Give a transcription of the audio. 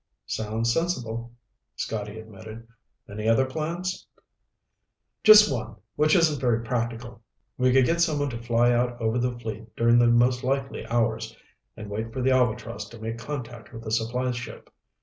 "Sounds sensible," Scotty admitted. "Any other plans?" "Just one, which isn't very practical. We could get someone to fly out over the fleet during the most likely hours and wait for the Albatross to make contact with the supply ship.